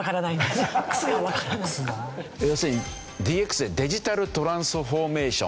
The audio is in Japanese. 要するにＤＸって「デジタルトランスフォーメーション」。